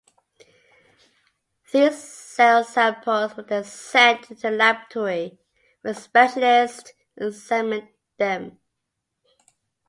These cell samples were then sent to the laboratory where specialists examined them.